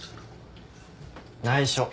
内緒。